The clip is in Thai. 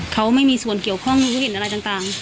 เขาไม่มีส่วนเกี่ยวข้องรู้เห็นอะไรต่าง